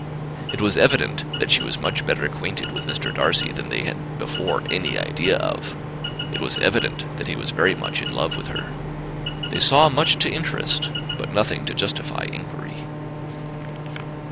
It was evident that she was much better acquainted with Mr. Darcy than they had before any idea of; it was evident that he was very much in love with her. They saw much to interest, but nothing to justify inquiry.